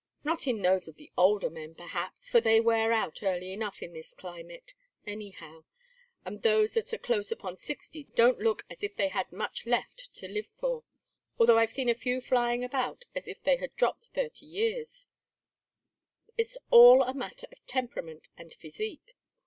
Not in those of the older men, perhaps, for they wear out early enough in this climate, anyhow, and those that are close upon sixty don't look as if they had much left to live for although I've seen a few flying about as if they had dropped thirty years; its all a matter of temperament and physique.